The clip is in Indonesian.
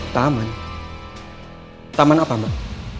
taman taman apa pak